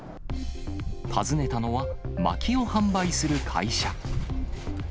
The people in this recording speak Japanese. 訪ねたのは、まきを販売する会社。